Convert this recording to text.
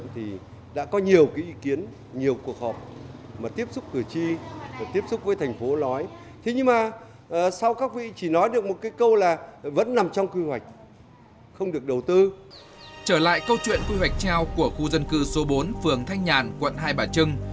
trở lại câu chuyện quy hoạch treo của khu dân cư số bốn phường thanh nhàn quận hai bà trưng